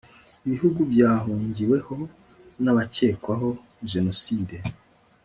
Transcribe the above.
ibihugu byahungiwemo n'abakekwaho jenoside